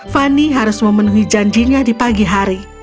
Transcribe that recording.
fani harus memenuhi janjinya di pagi hari